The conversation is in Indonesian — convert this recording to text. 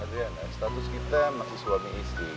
adrian status kita masih suami istri